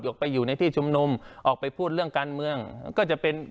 ออกไปอยู่ในที่ชุมนุมออกไปพูดเรื่องการเมืองก็จะเป็น